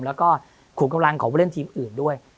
แล้วก็ขุมกำลังของผู้เล่นทีมอื่นด้วย